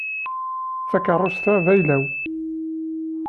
Takeṛṛust-a d ayla-w.